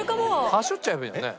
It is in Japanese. はしょっちゃえばいいよね。